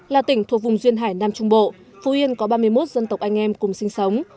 là tỉnh thuộc vùng duyên hải nam trung bộ phú yên có ba mươi một dân tộc anh em cùng sinh sống